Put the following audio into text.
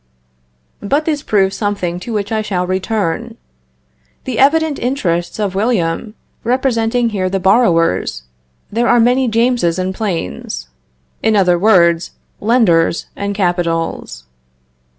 But this proves something to which I shall return. The evident interests of William, representing here the borrowers, there are many Jameses and planes. In other words, lenders and capitals.